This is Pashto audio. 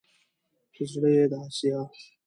ته زړه يې د اسيا